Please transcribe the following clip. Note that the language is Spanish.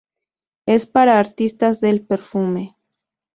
Es para artistas del perfume".